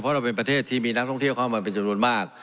เพราะเราเป็นประเทศที่มีนักท่องเที่ยวเข้ามาเป็นจำนวนมาก